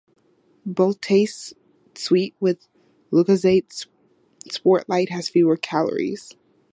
Both taste sweet, but Lucozade Sport Lite has fewer calories.